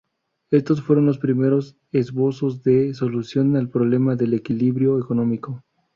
Estos fueron los primeros esbozos de solución al problema del equilibrio económico.